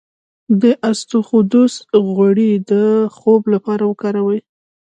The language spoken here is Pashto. د اسطوخودوس غوړي د خوب لپاره وکاروئ